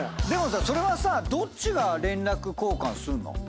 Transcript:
でもさそれはさどっちが連絡交換すんの？